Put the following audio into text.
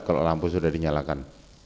kalau lampu sudah dinyalakan